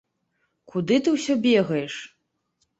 Куды ты ўсё бегаеш?